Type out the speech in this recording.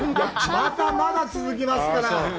まだまだ続きますから！